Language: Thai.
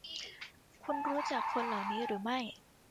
คุณรู้จักคนเหล่านี้หรือไม่